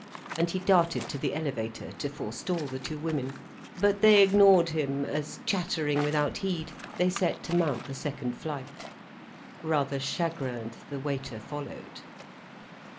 And he darted to the elevator to forestall the two women. But they ignored him, as, chattering without heed, they set to mount the second flight. Rather chagrined, the waiter followed.